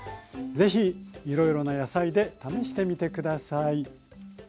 是非いろいろな野菜で試してみて下さい。